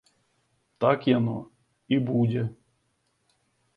Так яно і будзе!